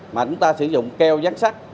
mà chúng ta sử dụng keo giác sắt